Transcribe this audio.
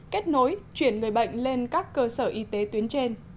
kết nối chuyển người bệnh lên các cơ sở y tế tuyến trên